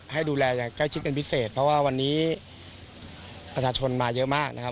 ให้ดูแลอย่างใกล้ชิดเป็นพิเศษเพราะว่าวันนี้ประชาชนมาเยอะมากนะครับ